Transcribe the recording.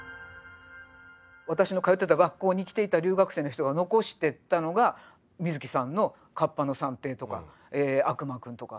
私の通ってた学校に来ていた留学生の人が残してったのが水木さんの「河童の三平」とか「悪魔くん」とか。